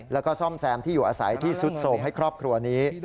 แล้วก็ซ่อมแซมที่อยู่อาศัยที่สุดโสมให้ครอบครัวนี้